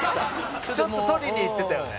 ちょっと取りにいってたよね。